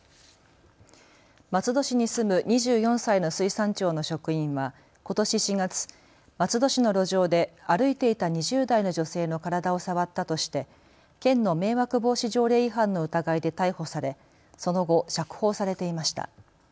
松戸市に住む２４歳の水産庁の職員はことし４月、松戸市の路上で歩いていた２０代の女性の体を触ったとして県の迷惑防止条例違反の疑いで逮捕されその後、釈放されていました。